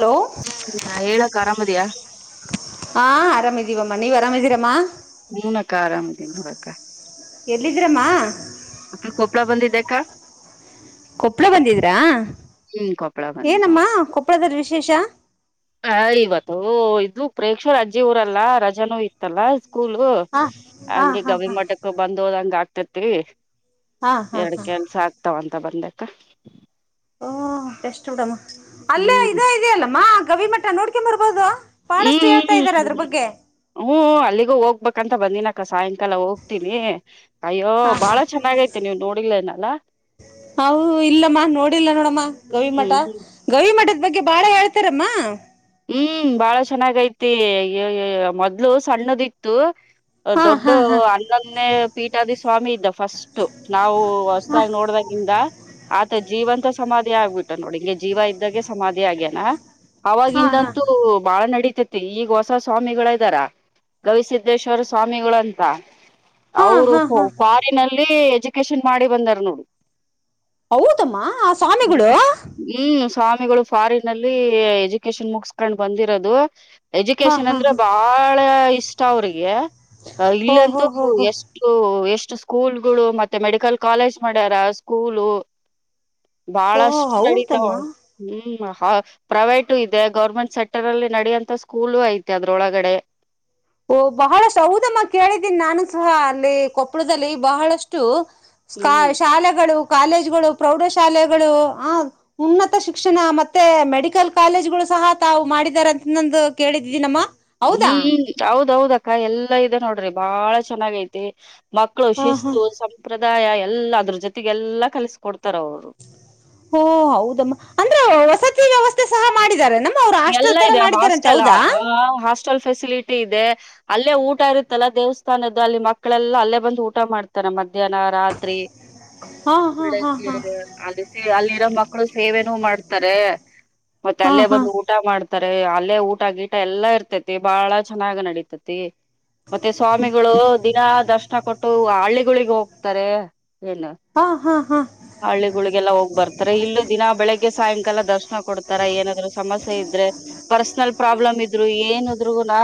Hello ಹ್ಮ್ ಹೇಳಕ್ಕ ಆರಾಮದಿಯಾ ಹ ಆರಾಮಿದೀಿವಾಮ ಮನಿ ವರಾಮದರಮ್ಮ ಹೂನಕ್ಕ ಆರಾಮದೀನ್ ನೋಡಕ್ಕ ಎಲ್ಲಿದ್ದೀರಮ್ಮ ಅಕ್ಕ ಕೊಪ್ಪಳ ಬಂದಿದ್ದಕ್ಕ ಕೊಪ್ಪಳ ಬಂದಿದ್ರಾ ಹ್ಮ್ ಕೊಪ್ಪಳ ಬಂದಿ ನೋ ಏನಮ್ಮ ಕೊಪ್ಪಳದಲ್ಲಿ ವಿಶೇಷ ಆ ಇವತ್ತು ಇದು ಪ್ರೇಕ್ಷಕರ ಅಜ್ಜಿ ಊರಲ್ಲ ರಜನೂ ಇತ್ತಲ್ಲ ಸ್ಕೂಲ್ ಹಾ ಹಾ ಹಂಗಗೆ ಹಾ ಗವಿ ಹಾ ಮಠಕ್ಕ ಬಂದೋದಂಗ ಆಗ್ತೇತ್ರಿ ಹಾ ಹಾ ಎರಡು ಹಾ ಕೆಲ್ಸ ಆಗ್ತಾವಂತ ಬಂದಕ್ಕ ಓ ಬೆಷ್ಟಡಮ್ಮ ಅಲ್ಲೇ ಹ್ಮ್ ಇದ ಇದೆಯಲ್ಲಮ್ಮ ಗವಿ ಮಠ ನೋಡ್ಕ ಬರ್ಬೋದು ಬಹಳಷ್ಟು ಹೇಳ್ತಾ ಹ್ಮ್ ಇದಾರೆ ಅದ್ರ ಬಗ್ಗೆ ಹ್ಮ್ ಅಲ್ಲಿಗೂ ಹೋಗ್ಬೇಕಂತ ಬಂದಿನಕ ಸಾಯಂಕಾಲ ಹೋಗ್ತೀನಿ ಅಯ್ಯೋ ಹಾ ಬಾಳ ಹಾ ಚೆನ್ನಾಗೈತಿ ನೀವ್ ನೋಡಿಲನಲ್ಲ ಹ ಇಲ್ಲಮ್ಮ ನೋಡಿಲ್ಲ ನೋಡಮ್ಮ ಗವಿ ಮಠ ಹ್ಮ್ ಗವಿ ಮಠ ಇದ ಬಗ್ಗೆ ಬಾಳ ಹೇಳ್ತಾರಮ್ಮ ಹ್ಮ್ ಬಾಳ ಚೆನ್ನಾಗೈತಿ ಮೊದ್ಲು ಸಣ್ಣದಿತ್ತು ಹಾ ದೊಡ್ಡ ಹಾ ಹಾ ಅನ್ನೊನೇ ಪೀಠಾದಿ ಸ್ವಾಮಿ ಇದ್ದ ಫಸ್ಟ್ ನಾವು ಹಾ ಹೊಸತಾಗಿ ನೋಡ್ಬೇಕ ಂದ ಆತ್ ಜೀವ ಅಂತ ಸಮಾಧಿ ಆಗ್ಬಿಟ್ಟ ನೋಡಿ ಹಿಂಗೆ ಜೀವ ಇದ್ದಾಗೆ ಸಮಾಧಿ ಆಗ್ಯನಾ ಅವವಾಗಿ ಹಾ ಹಾ ಂತೂ ಬಾಳ ನಡ ಈಗ ಹೊಸ ಸ್ವಾಮಿಗಳ ಇದ್ದಾರ ಗವಿಸಿದ್ದೇಶ್ವರ ಸ್ವಾಮಿಗಳಂತ ಹಾ ಅವರು ಹಾ ಹಾ ಫಾರಿನಲ್ಲಿ ಎಜುಕೇಶನ್ ಮಾಡಿ ಬಂದಾರ್ ನೋಡಿ ಹೌದಮ್ಮ ಆ ಸ್ವಾಮಿಗಳು ಹ್ಮ್ ಸ್ವಾಮಿಗಳು ಫಾರಿನ್ ಅಲ್ಲಿ ಎಜುಕೇಶನ್ ಮುಗಸ್ಕೊಂಡ್ ಬಂದಿರೋದು ಹಾ ಎಜುಕೇಶನ್ ಹಾ ಅಂದ್ರೆ ಹಾ ಬಾಳ ಇಷ್ಟ ಅವ್ರಿಗೆ ಹೋ ಹೋ ಇಲ್ಲಂತೂ ಹೋ ಹೋ ಎಷ್ಟು ಎಷ್ಟು ಸ್ಕೂಲ್ಗಳು ಮತ್ತೆ ಮೆಡಿಕಲ್ ಕಾಲೇಜ್ ಮಾಡ್ಯಾರ ಸ್ಕೂಲು ಓ ಬಹಳಷ್ಟು ನಡತಾವ ಹೌದಮ್ಮ ಹ್ಮ್ ಪ್ರೈವೇಟು ಇದೆ ಗೌರ್ಮೆಂಟ್ ಸೆಕ್ಟರ್ ಅಲ್ಲಿ ನಡೆಯಂತ ಸ್ಕೂಲ್ ಐತಿ ಅದ್ರ ಒಳಗಡೆ ಓ ಬಹಳಷ್ಟು ಹೌದಮ್ಮ ಕೇಳಿದ್ದೀನಿ ನಾನು ಸಹ ಅಲ್ಲಿ ಕೊಪ್ಪಳದಲ್ಲಿ ಬಹಳಷ್ಟು ಹ್ಮ್ ಶಾಲೆಗಳು ಕಾಲೇಜ್ಗಳು ಪ್ರೌಢಶಾಲೆಗಳು ಆ ಉನ್ನತ ಶಿಕ್ಷಣ ಮತ್ತೆ ಮೆಡಿಕಲ್ ಕಾಲೇಜ್ಗಳು ಸಹ ತಾವು ಮಾಡಿದಾರಂತ ನಂದು ಕೇಳಿದ್ದಿದೀ ನಮ್ಮ ಹೌದಾ ಅವುದಕ್ಕ ಎಲ್ಲಾ ಇದೆ ನೋಡ್ರಿ ಬಹಳ ಚೆನ್ನಾಗ ಐತಿ ಮಕ್ಕಳು ಹಾ ಹಾ ಶಿಸ್ತು ಸಂಪ್ರದ ಆದಾಯ ಎಲ್ಲ ಅದ್ರ ಜೊತೆಗೆ ಎಲ್ಲಾ ಕಲಿಸ ಕೊೊಡ್ತಾರೆ ಓ ಹೌದಮ್ಮ ಅಂದ್ರೆ ವಸತಿ ವ್ಯವಸ್ಥೆ ಸಹ ಮಾಡಿದಿದ್ದಾರೆ ನಮ್ಮ ಅವ್ರು ಎಲ್ಲ ಹಾಸ್ಟೆಲ್ ತರ ಇದೆ ಮಾಡಿದಾರಂತೆ ಹಾಸ್ಟೆಲ್ ಹೌದಾ ಹಾಸ್ಟೆಲ್ ಫೆಸಿಲಿಟಿ ಇದೆ ಅಲ್ಲೇ ಊಟ ಇರುತ್ತಲ್ಲ ದೇವಸ್ಥಾನದ್ದು ಅಲ್ಲಿ ಮಕ್ಕಳೆಲ್ಲಾ ಅಲ್ಲೇ ಬಂದು ಊಟ ಮಾಡ್ತಾರ ಮಧ್ಯಾಹ್ನ ರಾತ್ರಿ ಹಾ ಹಾ ಹಾ ಹಾ ಅಲ್ಲಿಸಿ ಅಲ್ಲಿ ಮಕ್ಕಳು ಸೇವೆನೂ ಮಾಡ್ತಾರೆ ಮತ್ತೆ ಅಲ್ಲೇ ಹಾ ಬಂದು ಮಾಡ್ತಾರೆ ಅಲ್ಲೇ ಊಟ ಗೀಟ ಎಲ್ಲಾ ಇರ್ತೇತಿ ಬಾಳ ಚೆನ್ನಾಗ ನಡತತಿ ಮತ್ತೆ ಸ್ವಾಮಿಗಳು ದಿನ ದರ್ಶನ ಕೊಟ್ಟು ಹಳ್ಳಿಗಳಿಗೆ ಹೋಗ್ತಾರೆ ಏನ್ ಹಾ ಹಾ ಹಾ ಹಳ್ಳಿಗಳಿಗೆಲ್ಲ ಹೋಗ್ ಬರ್ತಾರೆ ಇಲ್ಲೂ ದಿನ ಬೆಳಿಗ್ಗೆ ಸಾಯಂಕಾಲ ದರ್ಶನ ಕೊಡ್ತಾರ ಏನಾದ್ ಸಮಸ್ಯೆ ಇದ್ರೆ ಪರ್ಸನಲ್ ಪ್ರಾಬ್ಲಮ್ ಇದ್ರು ಏನಿದ್ರು ನ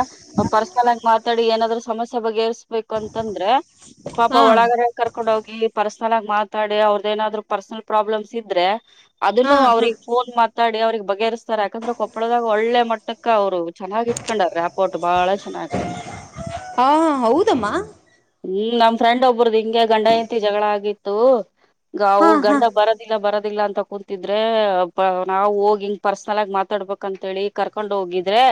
ಪರ್ಸನಲ್ ಆಗಿ ಮಾತಾಡಿ ಏನಾದ್ ಸಮಸ್ಯೆ ಸ ಬಗೆಹರ್ಸ್ಬೇಕು ಅಂತಂದ್ರೆ ಪಾಪ ಒಳಗಡೆ ಕರ್ಕೊಂಡ್ ಹೋಗಿ ಪರ ಚನ್ನಾಗ್ ಮಾತಾಡಿ ಅವ್ರದ ಏನಾದ್ರು ಪರ್ಸನಲ್ ಪ್ರಾಬ್ಲಮ್ಸ್ ಇದ್ರೆ ಹಾ ಅದನ್ನು ಹಾ ಅವ್ರಗ್ ಫೋನ್ ಮಾತಾಡಿ ಅವ್ರಗ್ ಬಗೆಹರಿಸ್ತಾರೆ ಯಾಕಂದ್ರೆ ಕೊಪ್ಪಳದಾಗ ಒಳ್ಳೆ ಮಟ್ಟಕ್ಕ ಅವ್ರು ಚೆನ್ನಾಗಿ ಇಟ್ಕೊಂಡಾರ ಆಪೋಟ್ ಬಾಳ ಚೆನ್ನಾಗ ಹಾ ಹಾ ಹೌದಮ್ಮ ಹ್ಮ್ ನಮ್ ಫ್ರೆಂಡ್ ಒಬ್ಬ್ರದದು ಹಿಂಗೆ ಗಂಡಯತಿ ಜಗಳ ಆಗಿತ್ತು ಅವು ಹಾ ಹಾ ಗಂಡ ಬರೋದಿಲ್ಲ ಬರೋದಿಲ್ಲ ಅಂತ ಕುೂತಿದ್ರೆ ನಾವು ಹೋಗಿಂಗ್ ಪರ್ಸನಲ್ ಆಗ ಮಾ ತಡ್ಬೇಕಕ್ ಅಂತೇಳಿ ಕರ್ಕೊಂಡ್ ಹೋಗಿದ್ರೆ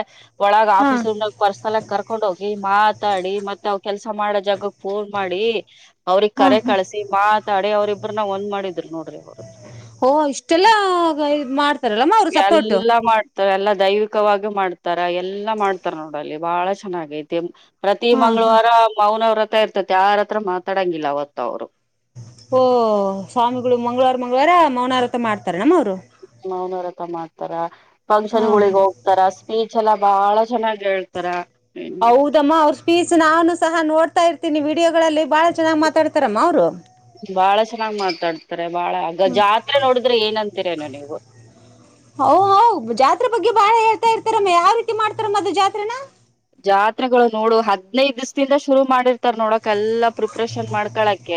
ಒಳಗ್ ಹಾ ಆಫೀಸ್ ಪರ್ಸನಲ್ ಆ ಕರ್ಕೊಂಡ್ ಹೋಗಿ ಮಾತಾಡಿ ಮತ್ತೆ ಅವ ಕೆಲ್ಸ ಮಾಡೋ ಜಾಗಕ್ ಫೋನ್ ಮಾಡಿ ಅವ್ರಿಗೆ ಹಾ ಕರೆ ಹಾ ಕಳಸಿ ಮಾತಾಡಿ ಅವ್ರಿಬ್ಬ್ರನ್ನ ಒಂದ್ ಮಾಡಿದ್ರರು ನೋಡ್ರಿ ಅವ್ರ ಓಹ ಇಷ್ಟೆಲ್ಲ ಮಾಡ್ ಎಲ್ಲಾ ಮಾಡ್ತವೆ ಎಲ್ಲಾ ದೈವಿಕವಾಗಿ ಮಾಡ್ತಾರ ಎಲ್ಲಾ ಮಾಡ್ತಾರ ನೋಡಲ್ಲಿ ಬಾಳ ಚೆನ್ನಾಗೈತಿ ಪ್ರತಿ ಹಾ ಹಾ ಮಂಳವಾರ ಮೌನವ್ರತ ಇರ್ತತಿ ಯಾರ ಹತ್ರ ಮಾತಾಡಂಗಿಲ್ಲ ಅವತ್ತ ಅವ್ರು ಓ ಸ್ವಾಮಿಗಳು ಮಂಳವಾರ ಮಂಗ್ವಾರ ಮೌನಾರತ ಮಾಡ್ತಾರ ನಮ್ಮ ಅವ್ರು ಮೌನವರ ಹತ ಮಾಡ್ತಾರ ಹಾ ಫಂಕ್ಷನ್ ಹಾ ಗಳಿಗೆ ಹೋಗ್ತಾರ ಸ್ಪೀಚ್ ಚಲ ಬಾಳ ಚೆನ್ನಾಗ್ ಹೇಳ್ತಾರ ಹೌದಮ್ಮ ಅವ್ರ ಸ್ಪೀಚ್ ನಾನು ಸಹ ನೋಡ್ತಾ ಇರ್ತೀನಿ ವಿಡಿಯೋಗಳಲ್ಲಿ ಬಾಳ ಚೆನ್ನಾಗ್ ಮಾತಾಡ್ತಾರಮ್ಮ ಅವರು ಬಾಳ ಚೆನ್ನಾಗ್ ಮಾತಾಡ್ತಾರೆ ಬಾಳ ಆಗ ಜಾತ್ರೆ ನೋಡಿದ್ರೆ ಏನಂತೀರೇನು ನೀವು ಹ ಹ ಜಾತ್ರೆ ಬಗ್ಗೆ ಬಾಳ ಹೇಳ್ತಾ ಇರ್ತಾರಮ್ಮ ಯಾವ ರೀತಿ ಮಾಡ್ತಾರಮ್ಮ ಅದು ಜಾತ್ರೆನ ಜಾತ್ರೆಗಳು ನೋಡು ಹದ್ನೈದ ದಿವ್ದಿಂದ ಶುರು ಮಾಡಿರ್ ನೋಡಕ ಎಲ್ಲಾ ಪ್ರಿಪ್ರೇಷನ್ ಮಾಡ್ಕಳಕ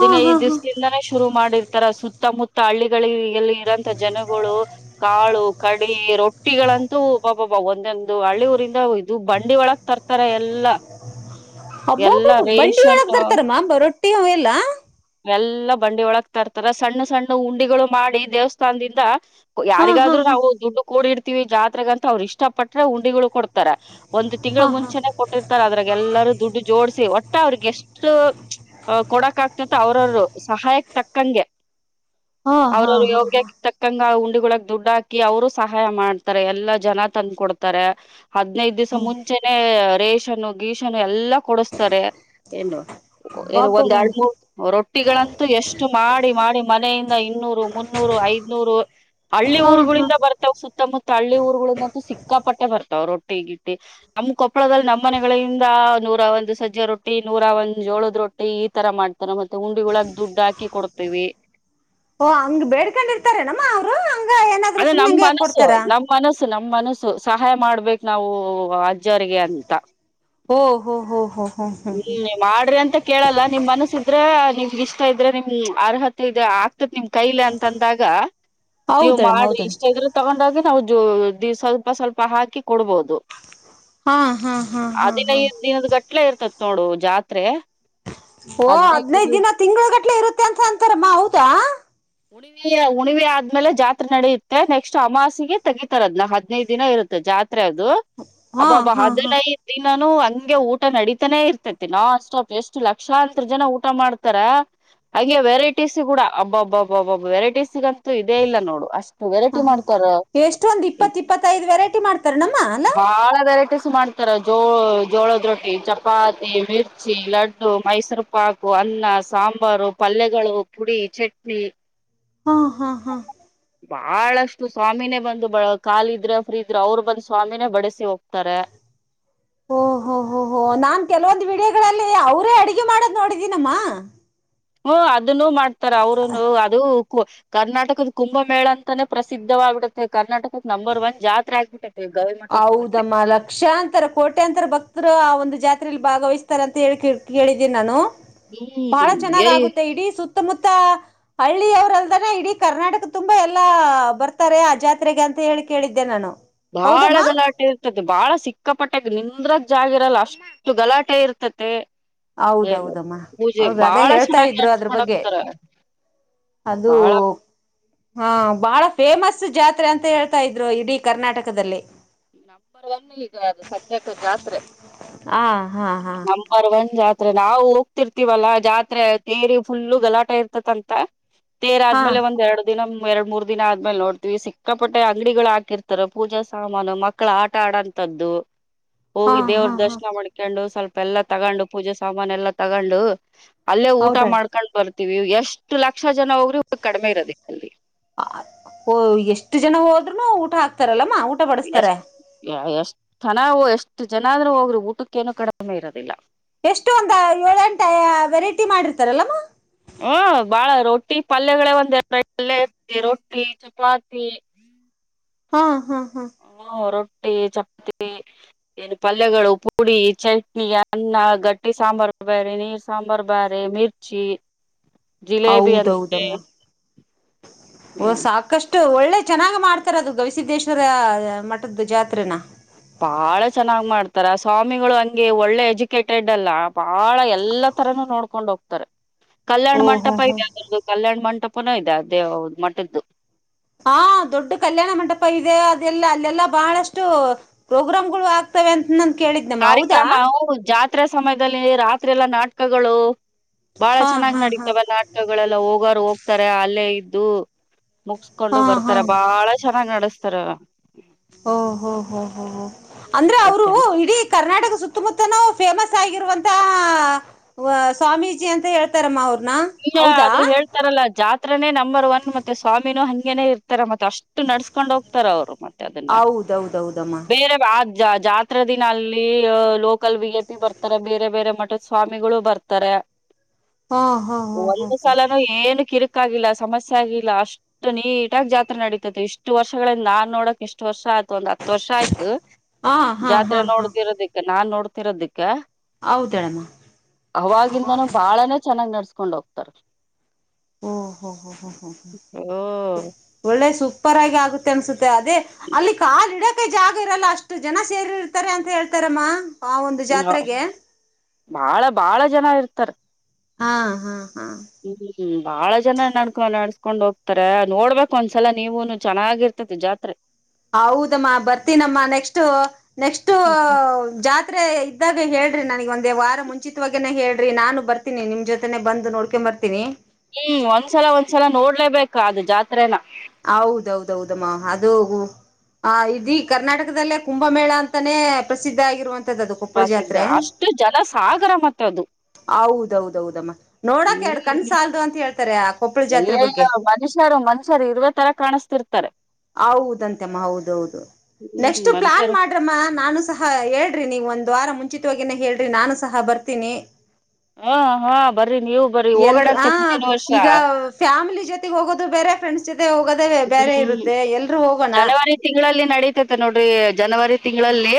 ಹಾ ಹಾ ಹಾ ದಿವ್ಸದಿಂದಾನೇ ಶುರು ಮಾಡಿರ್ತಾರ ಸುತ್ತ ಸುತ್ತಮುತ್ತ ಹಳ್ಳಿಗಳಿಗೆ ಇಲ್ಲಿ ಇರಂತ ಜನಗಳು ಕಾಳು ಕಡಿವಿ ರೊಟ್ಟಿಗಳಂತೂ ಅಬಬ ಒಂದೊಂದು ಹಳ್ಳಿಊರಿಂದ ಬಂಡಿ ಒಳಗ್ ತರ್ತಾರೆ ಎಲ್ಲಾ ಎಲ್ಲಾ ಅಬ್ಬಬ್ಬಬ್ಬ ಬಂಡಿ ರೇಷನ್ ಒಳಗ್ ತರ್ತಾರಮ್ಮ ರೊಟ್ಟಿ ಅವೆಲ್ಲ ಎಲ್ಲಾ ಬಂಡಿ ಒಳಗ್ ತರ್ತಾರ ಸಣ್ಣ ಸಣ್ಣ ಉಂಡಿಗಳು ಮಾಡಿ ದೇವಸ್ಥಾನದಿಂದ ಹಾ ಹಾ ಯಾರಿಗಾದ್ರು ಹಾ ನಾವು ದುಡ್ಡು ಕೂಡಿಇಡ್ತಿವಿ ಜಾತ್ರೆ ಬಂತ ಅವ್ರು ಇಷ್ಟ ಪಟ್ಟ್ರೆ ಉಂಡಿಗಳು ಕೊಡ್ತ ರ್ತಾರ ಒಂದು ತಿಂಗಳ ಹಾ ಹಾ ಮುಂಚೆನೇ ಕೊಟ್ಟಿರ್ತಾರ ಅದ್ರಾಗ್ ಎಲ್ಲರೂ ದುಡ್ಡು ಜೋಡಸಿ ಒಟ್ಟ ಅವ್ರಿಗೆ ಎಷ್ಟು ಅ ಕೊಡಕ್ ಆಗ್ತತ್ತೆ ಅವ್ರವ್ರು ಸಹಾಯಕ್ ತಕ್ಕಂಗೆ ಹಾ ಹಾ ಅವ್ರವ್ರು ಹಾ ಹಾ ಯೋಗ್ಯಕ್ಕೆ ತಕ್ಕಂಗ ಉ ಹುಂಡಿವಳಗ್ ದುಡ್ಡು ಹಾಕಿ ಅವರು ಸಹಾಯ ಮಾಡ್ತಾರೆ ಎಲ್ಲಾ ಜನ ತಂದ್ ಕೊಡ್ತಾರೆ ಹದ್ನೈದ್ ದಿಸ ಮುಂಚೆನೆೇ ರೇಷನ್ನು ಗೀಷನ್ನು ಎಲ್ಲಾ. ಕೊಡಿಸ್ತಾರೆ ಏನು ಒಂದ್ ಅಬ್ಬಬ್ಬಬ್ಬಾ ಎಲ್ಡ್ ಮೂರ್. ರೊಟ್ಟಿಗಳಂತೂ ಎಷ್ಟು ಮಾಡಿ ಮಾಡಿ ಮನೆಯಿಂದ ಇನ್ನೂರು ಮುನ್ನೂರು ಐದ್ನೂರು ಹಳ್ಳಿ. ಹಳ್ಳಿ ಹಾ ಹಾ ಊರುಗಳಿಂದ ಬರ್ತಾವ್ ಸುತ್ತಮುತ್ತ ಹಳ್ಳಿ ಊರುಗಳಿಂದಂತೂ ಸಿಕ್ಕಾಪಟ್ಟೆ ಬರ್. ರೊಟ್ಟಿ ಗಿಟ್ಟಿ ನಮ್ ಕೊಪ್ಪಳದಲ್ ನಮ್ಮ್ ಮನೆಗಳಿಂದ ನೂರ ಒಂದು ಸಜ್ಜೆ ರೊಟ್ಟಿ ನೂರ ಒಂದ್. ಜೋಳುದ್ ರೊಟ್ಟಿ ಈತರ ಮಾಡ್ತಾರ ಮತ್ತೆ ಉಂಡಿಒಳಗ್ ದುಡ್ಡು ಹಾಕಿ ಕೊಡ್ತೀವಿ. ಓ ಹಂಗ್ ಬೇಡ್ಕಂಡಿರ್ತಾರೆನಮ್ಮ ಅವ್ರು. ಅದ್ ನಮ್ ಮನಸು ನಮ್ ಮನಸು ನಮ್ ಮನಸು ಸಹಾಯ ಮಾಡ್ಬೇಕ್ ನಾವು. ಅಜ್ಜರಿಗೆ ಅಂತ. ಓ ಹೋ ಹೋ ಹೋ ಹೋ ಹ್ಮ್ ಹ್ಮ್ ಹ್ಮು ಮಾಡ್ರಿ ಅಂತ ಕೇಳಲ್ಲ ನಿಮ್ ಮನಸ್ ಇದ್ರೆ ನಿಮ್. ಇಷ್ಟ ಇದ್ರೆ ನಿಮ್ ಅರ್ಹತೆ ಇದೆ ಆಗ್ತತ್ ನಿಮ್ ಕೈಲಿ ಅಂತಂದಾಗ. ನೀವ್ ಹೌದಳಮ್ಮ ಮಾಡು ಹೌದಳ ಇಷ್ಟ ಇದ್ರೆ ತಗೊಂಡೋಗಗ್ ಇಲ್ಲ ನಾವ್ ಜೋ ದಿ ಸ್ವಲ್ಪ ಸ್ವಲ್ಪ ಹಾಕಿ ಕೊಡ್ಬೋದು. ಹಾ ಹಾ ಹಾ ಹಾ ಹಾ ಆದಿನೈದ್ ದಿನುದ್ ಗಟ್ಲೆ ಇರ್ತತ್ ನೋಡು ಜಾತ್ರೆ. ಓ ಹದ್ನೈದು ಹದ್ನೈದ್ ದಿನದ ದಿನ ತಿಂಗಳುಗಟ್ಲೆ ಇರುತ್ತೆ ಅಂತ ಅಂತಾರಮ್ಮ ಹೌದಾ. ಉಣಿವೆ ಉಣಿವೆ ಆದ್ಮೇಲೆ ಜಾತ್. ಜಾತ್ರೆ ನಡೆಯುತ್ತೆ ನೆಕ್ಸ್ಟ್ ಅಮಾಸಿಗೆ ತೆಗಿತಾರದ್ನ ಹದಿನೈದ್ ದಿನ ಇರುತ್ತೆ ಜಾತ್. ಜಾತ್ರೆ ಅದು ಹಾ ಅಬ್ಬಬ್ಬ ಹಾ ಹಾ ಹದಿನೈದ್ ದಿನ. ನೂ ಹಂಗೆ ಊಟ ನಡೀತಾನೆ ಇರ್ತೇತಿ ನಾನ್ ಸ್ಟಾಪ್ ಎಷ್ಟು ಲಕ್ಷಾಂತ್ರು ಜನ ಊಟ ಮಾಡ್ತಾರ. ಹಂಗೆ ವೆರೈಟೀಸ್ ಕೂಡ ಅಬ್ಬಬ್ಬಬ್ಬಬ ವೆರೈಟೀಸಗಂತೂ ಇದೇ ಇಲ್ಲ ನೋಡು. ಅಷ್ಟು ಹಾ ವೆರೈಟಿ ಹಾ ಮಾಡ್ತಾರ ಎಷ್ಟು ಒಂದ್ ಇ ಇಪ್ಪತ್ ಇಪ್ಪತ್ತೈದ್ ವೆರೈಟಿ ಮಾಡ್ತಾರನಮ್ಮ ಅಲ್ಲ ಬಾಳ ವೆರೈಟಿಸ್. ಮಾಡ್ತಾರ ಜೋಳ್ ಜೋಳದ್ ರೊಟ್ಟಿ ಚಪಾತಿ ಮಿರ್ಚಿ ಲಡ್ಡು ಮೈಸೂರು ಪಾಕು ಹತ್. ಅನ್ನ ಸಾಂಬಾರು ಪಲ್ಯಗಳು ಪುಡಿ ಚಟ್ನಿ. ಹ ಹ ಹ. ಬಾಳಷ್ಟು ಸ್ವಾಮಿನೇ ಬಂದು ಬ ಕಾಲ್ ಇದ್ರ ಫ್ರೀ ಇದ್ರ ಅವ್ರು ಬಂದು ಸ್ವಾಮಿನೇ ಬಡಸಿ ಹೋಗ್ತಾರೆ. ಓ ಹೋ ಹೊ ಹೊ ನಾ ಕೆಲವೊಂದ್ ವಿಡಿಯೋಗಳಲ್. ಳ್ಳಿ ಅವ್ರೇ ಅಡಿಗೆ ಮಾಡಿದ್ ನೋಡಿದಿನಮ್ಮಾ. ಹ್ಮು ಅದುನ್ನು ಮಾಡ್ತಾರ ಅವ್ರುನು ಅದು. ಕೂ ಕರ್ನಾಟಕದ್ ಕುಂಭಮೇಳ ಅಂತಾನೇ ಪ್ರಸಿದ್ಧವಾಗ್ಬಿಟೈತೆ ಕರ್ನಾಟಕಕ್ ನಂಬರ್ ಒನ್ ಜಾತ್ರೆ ಆಗ್ಬಿಟ್ಟೆತ್. ಹೌದಮ್ಮ ಲಕ್ಷಾಂತರ ಕೋಟ್ಯಾಂತರ ಭಕ್ತತ್ರು ಆ ಒಂದು. ಜಾತ್ರೆಯಲ್ಲಿ ಭಾಗವಹಿಸ್ತಾರಂತ್ ಹೇಳ್ ಕೇಳ್ ಕೇಳಿದ್ದೆನ್ ನಾನು. ಬಾಳ ಹ್ಮ್ ಚೆನ್ನಾಗ್ ಏಯ್ ಆಗುತ್ತೆ ಇಡೀ ಸುತ್ತಮುತ್ತಾ. ಹಳ್ಳಿ ಅವ್ರಲ್ದಾನೆ ಇಡೀ ಕರ್ನಾಟಕೂದ್ ತುಂಬಾ ಎಲ್ಲಾ ಬರ್ತಾರೆ ಆ ಜಾತ್ರೆಗೆ ಅಂತ ಹೇಳಿ ಕೇಳಿದ್ದೆ ನಾನು. ಬಾಳ ಹೌದಮ್ಮ ಗಲಾಟೆ ಇರ್ತತೆ ಬಾಳ ಸಿಕ್ಕಾಪಟ್ಟೆ ನಿಂದ್ರಗ್. ಜಾಗ್ ಇರಲ್ಲ ಅಷ್ಟು ಗಲಾಟೆ ಇರ್ತತೆ. ಏನು ಹೌದೌದಮ್ಮ ಪೂಜೆ ಹೌದು ಅದೇ ಬಾಳ ಹೇಳ್ತಾ ಚೆನ್ನಾಗಿ ಇದ್ರು ಅದ್ರು ನಡ್ಸ್ಕೊಂಡ್ ಬಗ್ಗೆ. ಹೋಗ್ತಾರ ಅದೂ. ಬಾಳ ಹಾ ಬಾಳ ಫೇಮಸ್ ಜಾತ್ರೆ ಅಂತ ಹೇಳ್ತಾ ಇದ್ರು ಇಡೀ ಕರ್ನಾಟಕದಲ್ಲಿ. ನಂಬರ್ ಒನ್ ಈಗ ಅದು ಸದ್ಯಕ ಜಾತ್ರೆ. ಹ ಹ ಹ. ತ್ತ್ರೆ ನಾವು ಹೋಗ್ತಿರ್ತಿವಲ್ಲಾ ಜಾತ್ರೆ ತೇರಿ ಫುಲ್ಲು ಗಲಾಟೆ ಇರ್ತತಂತ. ತೇರ್ ಹಾ ಆದ್ಮೇಲೆ ಒಂದ್ ಎರಡ್ ದಿನ. ಎರಡ್ ಮೂರ್ ದಿನ ಆದ್ಮೇಲೆ ನೋಡ್ತಿವಿ ಸಿಕ್ಕಪಟ್ಟೆ ಅಂಗಡಿಗಳು ಹಕಿರ್ತಾರ ಪೂಜಾ ಸಮಾನ್. ನಾವ್ ನಮ್ ಮಕ್ಳು ಆಟ ಆಡಂತದ್ದು ಹಾ ಹೋಗಿ ದೇವ್ರ ಹಾ ಹಾ ದರ್ಶನ ಮಾಡ್ಕೊಂಡು. ಸ್ವಲ್ಪ ಎಲ್ಲಾ ತಗಂಡು ಪೂಜೆ ಸಾಮಾನೆಲ್ಲ ತಗಂಡು ಅಲ್ಲೇ ಊಟ ಹೌದಾ ಮಾಡ್ಕೊಂಡ್ ಬರ್ತ. ಎಷ್ಟು ಲಕ್ಷ ಜನ ಹೋಗ್ರಿ ಕಡಿಮೆ ಇರೋದೆ ಅಲ್ಲಿ. ಆ ಎಷ್ಟು ಜನ ಹೋದ್ರೂನು ಊಟ ಹಾಕ್ತಾರಲಮ. ಎಷ್ಟ ಎಷ್ಟ್ ತನವೋ ಎಷ್ಟ. ಎಷ್ಟು ಜನಾದ್ರು ಹೋಗ್ರಿ ಊಟಕ್ಕೇನು ಕಾಡ್ಮೇ ಇರೋದಿಲ್ಲ. ಎಷ್ಟು ಒಂದ ಏಳ್ ಎಂಟ ವೆರೈಟಿ ಮಾಡಿರ್ತಾರಲ್ಲಮ್ಮ. ಹ ಬಾಳ ರೊಟ್ಟಿ ಪಲ್ಯಗಳೇ ಒಂದ ಇ ರೊಟ್ಟಿ ಚಪಾತಿ. ಹಾ ಹಾ [inaudible] ಹ ರ [unintelligible] ಚಾಪಾತಿ ಏನು ಪಲ್ಯಗಳು, ಪುಡಿ ಚಟ್ನಿ, ಅನ್ನ, ಗಟ್ಟಿ ಸಾಂಬಾರು. ಬ್ಯಾರಿ ನೀರು ಸಾಂಬಾರಾರ್ ಬ್ಯಾರಿ ಮಿರ್ಚಿ [unintelligible] ಜಿಲೇಬಿ ಅಂತೆ ಹೌದೌದಮ್ಮ, ಏನು ಸಾಕಷ್ಟು ಅಷ್ಟು ಒಳ್ಳೆ ಚೆನ್ನಾಗ್ ಮಾಡ್ತಾರ ಅದು ಗವಿಸಿದ್ದೇಶ್ವರ ಮಠದ್ದು ಜಾತ್ರೆನ. ಬಾಳ ಚೆನ್ನಾಗ್ ಮಾಡ್ತಾರ. ಸ್ವಾಮಿಗಳು ಹಂಗೆ ಒಳ್ಳೆ ಎಜುಕೇಟೆಡ್ ಅಲ್ಲ ಬಾಳ ಎಲ್ಲ- ತರನ ನೋಡ್ಕೊಂಡ್ ಹೋಗ್ತಾರೆ. ಕಲ್ಯಾಣ ಓ ಹೋ ಮಂಟಪ ಹೋ ಇದೆ. ಅದ್ರದ್ದು ಕಲ್ಯಾಣ ಮಂಟಪನೂ ಇದೆ ಅದೇ ಮಟದ್ದು. ಹಾ, ದೊಡ್ಡ ಕಲ್ಯಾಣ ಮಂಟಪ ಇದೆ. ಅದೆಲ್ಲಾ ಅಲ್ಲೆಲ್ಲಾ ಬಹಳಷ್ಟು ಪ್ರೋಗ್ರಾಮ್ ಗಳು ಆಗ್ತ- ವೆ [inaudible] ಕಾರ್ಯಕ್ರಮವು ಜಾತ್ರೆ ಸಮಯದಲ್ಲಿ ರಾತ್ರಿ ಎಲ್ಲಾ ನಾಟಕಗಳು. ಬಾಳ ಹಾ ಚೆನ್ನಾಗ್ ಹಾ ಹಾ ನಡೀತವೆ ನಾಟಕಗಳೆಲ್ಲ ಹೋಗಾರ ಹೋಗ್ತಾರೆ ಅಲ್ಲೇ ಇದ್ದು. -ಮುಗಸ್ಕೊಂಡು ಹಾ ಬರ್ತಾರ ಹಾ ಬಾಳ ಚೆನ್ನಾಗ್ ನಡೆಸ್ತಾರ. ಓ ಹೋ, ಹೋ ಹ ಅಂದ್ರೆ ಅವರು ಇಡೀ ಕರ್ನಾಟಕ ಸುತ್ತಮುತ್ತನೂ ಫೇಮಸ್ ಆಗಿರುವಂತಹ ಸ್ವಾಮೀಜಿ ಅಂತ ಹೇಳ್ತಾರಮ್ಮ. ಅವ್ರು- ಈಗ ಅದು ಹೇಳ್ತಾರಲ್ಲ ಜಾತ್ರನೇ ನಂಬರ್ ಒನ್ ಮತ್ತೆ ಸ್ವಾಮಿನೂ ಹಂಗೆನೆ ಇರ್ತಾರ ಮತ್ತೆ. ಅಷ್ಟು ನಡ್ಸ್ಕೊಂಡ್ ಹೋಗ್ತಾರ. ಅವ್ರು ಮತ್ತೆ ಅದನ್ನ ಹೌದೌದೌದಮ್ಮ ಬೇರೆ- ಜ ಜಾತ್ರೆ ದಿನ ಅಲ್ಲಿ ಲೋಕಲ್ ವಿ, ಎ ಪಿ, ಬರ್ತಾರೆ. ಬೇರೆ- ಬೇರೆ ಮಠದ ಸ್ವಾಮಿಗಳು ಬರ್ತಾರೆ. ಹ [inaudible] ಹಾ, ಹಾ ಹಾ ಹಾ ಒಂದ್ ಸಲಾನ ಏನ್ ಕಿರಿಕ್- ಗಲ್ಲ ಸಮಸ್ಯೆ ಆಗಿಲ್ಲ ಅಷ್ಟು ನೀಟಾಗಿ ಜಾತ್ರೆ ನಡೀತದೆ. ಇಷ್ಟು ವರ್ಷಗಳಿಂದ ನಾನ್ ನೋಡಕ್ ಇಷ್ಟು ವರ್ಷ ಮತ್ತ ಒಂದಹತ್ತುವರ್ಷ ಆಯ್ತು ಹಾ ಹಾ ಹಾ ಜಾತ್ರೆ ಹಾ ನೋಡ್ತಿರೋದಿಕ್ಕೆ. ನಾನ್ ನೋಡ್ತಿರೋದಿಕ್ಕೆ- ಹೌದಳಮ್ಮ [inaudible] ಅವಾಗಿಂದಾನ ಬಾಳನೆೇ ಚೆನ್ನಾಗ್ ನಡ್ಸ್ಕೊಂಡ್ ಹೋಗ್ತ, ತ್ತರ್ [inaudible] ಓ ಹೋ ಹ ಹ ಹ ಹ ಓ ಒಳ್ಳೆ ಸಪ್ [unintelligible] ಸೂಪರಾಗಿ ಆಗುತ್ತೆ ಅನ್ಸುತ್ತೆ, ಅದೇ ಅಲ್ಲಿ ಕಾಲ ಇಡೋಕೆ ಜಾಗ ಇರಲ್ಲ ಅಷ್ಟು ಜನ ಸೇರಿರ್ತಾರೆ ಅಂತ ಹೇಳ್ತಾರೆ. ಕ್ರಮ [inaudible] ಹ [unintelligible] ಬಾಳ- ಬಾಳ ಜನ ಇರ್ತಾರೆ. ಹಾ, ಹಾ, ಹಾ ಹ್ಮ್, ಬಾಳ ಜನ ನಡ್ಕೊ -ನಡ್ಸ್ಕೊಂಡ್ ಹೋಗ್ತಾರೆ. ನೋಡ್ಬೇಕ್ ಒಂದ್ಸಲ ನೀವುನು ಚೆನ್ನಾಗಿರ್ತತಿ ಜಾತ್ರೆ. ಹೌದಮ್ಮ ಬರ್ತೀನಮ್ಮ ನೆಕ್ಸ್ಟ್- ನೆಕ್ಸ್ಟ್ ಹ್ಮ್ ಜಾತಿ- ಇದ್ದಾಗ ಹೇಳ್ರಿ ನನಗೆ ಒಂದೇ ವಾರ ಮುಂಚಿತವಾಗನೆೇ ಹೇಳ್ರಿ. ನಾನು ಬರ್ತೀನಿ ನಿಮ್ ಜೊತೆನೆೇ ಬಂದು ನೋಡ್ಕೊಂಬ ಬರ್ತೀನಿ [inaudible] ಹ್ಮ್, ಒಂದ್ಸಲ -ಒಂದ್ಸಲ ನೋಡ್ಲೇಬೇಕ ಅದು ಜಾತ್ರೆ. ಹೌದ, ಹೌದಮ್ಮ ಅದು ಹ ಆ ಇಡೀ ಕರ್ನಾಟಕದಲ್ಲೇ ಕುಂಭಮೇಳ ಅಂತಾನೇ ಪ್ರಸಿದ್ಧ ಆಗಿರುವಂತ ಪ್ರಸಿದ್ಧ ಅಷ್ಟು ಜನ ಸಾಗರ ಮತ್ತೆ ಅದು. ಹೌದೌದೌದಮ್ಮ ನೋಡಕ ಎರಡು ಹ್ಮ್ ಕಣಸಾಲ್ದು ಅಂತ ಹೇಳ್ತಾರೆ ಆ ಕೊಪ್ಪಳ ಜಾತ್ರೆ ಬಗ್ಗೆ. ಮನುಷರ್ ಇರುತ್ತರಕಾಣ [unintelligible] ಹೌದಂತೆ ಅಮ್ಮ, ಹೌದೌದು- ಹ್ಮ್ ನೆಕ್ಸ್ಟ್ ಪ್ಲಾನ್ ಮನುಷ್ಯರು ಮಾಡ್ರಮ್ಮ ನಾನು ಸಹಾ ಹೇಳ್ರಿ ನೀವ್ನಗ ಒಂದ ದ್ವಾರ ಮುಂಚಿತವವಾಗಿನ ಹೇಳ್ರಿ ನಾನು ಸಹ ಬರ್ತೀನಿ. ಹ ಹಾ - ಬರ್ರಿ ನೀವು ಬರ್ರಿ [inaudible] ಎಲ್ ಹಾ, ಹೋಗೋಣಂತೆ ಮುಂದಿನ ವರ್ಷ ಈಗ ಫ್ಯಾಮಿಲಿ ಜೊತೆಗೆ ಹೋಗೋದು ಬೇರೆ ಫ್ರೆಂಡ್ಸ್ ಹೋಗೋದೇ ಬೇರೆ ಹ್ಮ್ ಇರುತ್ತೆ. ಎಲ್ರೂ ಹೋಗೋಣ ಜನವರಿ ತಿಂಗಳಲ್ಲಿ ನಡಿತತೆ ನೋಡ್ರಿ, ಜನವರಿ ತಿಂಗಳಲ್ಲಿ.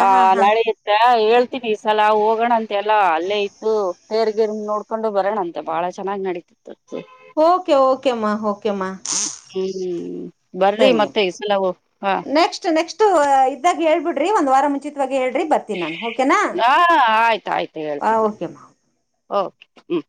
ಹಾ, ನಾಳೆ ಇತ್ತ ಹೇಳ್ತೀನಿ ಈ ಸಲ ಹೋಗೋಣ ಅಂತೆ ಎಲ್ಲ ಅಲ್ಲೇ ಇದ್ದು ತೇರರ್ಗೇರ್ ನೋಡ್ಕೊಂಡು ಬರೋಣ ಅಂತೆ ಬಾಳ ಚೆನ್ನಾಗ್ ನಡೀತಿತ್ತು. ಓಕೆ, ಓಕೆಮ್ಮ- ಓಕೆಮ್ಮ- ಹ್ಮ್ ಬರ್ರಿ ಸರಿ ಮತ್ತೆ ಈ ಸಲವು ಹಾ ಇದಾಗ ಹೇಳ್ಬಿಡ್ರಿ ಒಂದ್ ವಾರ ಮುಂಚಿತವಾಗಿ ಹೇಳ್ರಿ ಬರ್ತೀನಿ ನಾನು ಓಕೆನಾ ಹಾ ಆಯ್ತ ಆಯ್ತು ಹೇಳ್ತೀನಿ ಓಕೆಮ್ಮ ಓಕೆ ಹ್ಮ್